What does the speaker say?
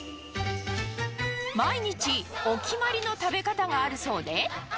毎日お決まりの食べ方があるそうで。